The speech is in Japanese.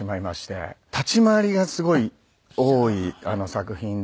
立ち回りがすごい多い作品で。